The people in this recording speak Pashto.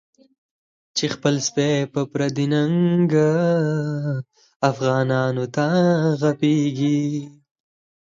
چی خپل سپی په پردی ننگه، افغانانوته غپیږی